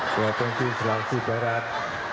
provinsi sulawesi barat